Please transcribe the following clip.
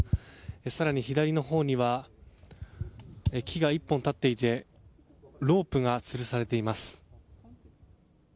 更に左のほうには木が１本立っていてロープがつるされています。